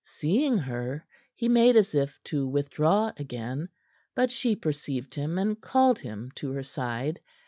Seeing her, he made as if to withdraw again; but she perceived him, and called him to her side.